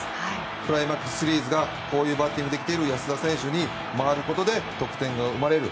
クライマックスシリーズがこういうバッティングができている安田選手に回ることで得点が生まれる。